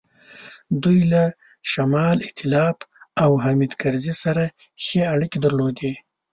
دوی له شمال ایتلاف او حامد کرزي سره ښې اړیکې درلودې.